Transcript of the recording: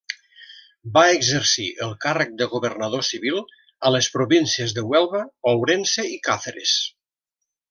Va exercir el càrrec de governador civil a les províncies de Huelva, Ourense i Càceres.